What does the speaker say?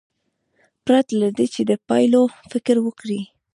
پرته له دې چې د پایلو فکر وکړي.